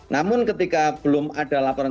namun ketika belum ada laporan